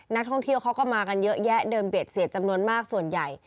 นักท่องเที่ยวเขาก็มากันเยอะแยะเดินเบียดเสียดจำนวนมากส่วนใหญ่